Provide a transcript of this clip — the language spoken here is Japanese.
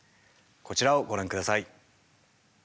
こちらをご覧ください。